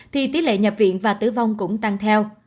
thì tỷ lệ nhập viện và tử vong cũng tăng theo